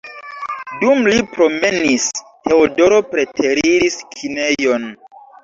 Dum li promenis, Teodoro preteriris kinejon.